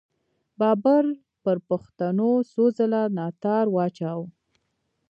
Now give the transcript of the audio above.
بابر پر پښتنو څو څله ناتار واچاوو.